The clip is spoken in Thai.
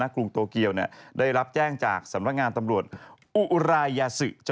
ในกรุงโตเกียวเนี่ยได้รับแจ้งจากสำรักงานตำรวจอุอรายยาซึ